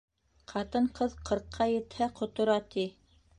Ҡатын-ҡыҙ ҡырҡҡа етһә, ҡотора, ти.